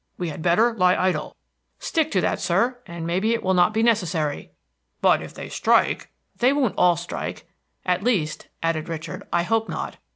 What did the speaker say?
We had better lie idle." "Stick to that, sir, and may be it will not be necessary." "But if they strike" "They won't all strike. At least," added Richard, "I hope not.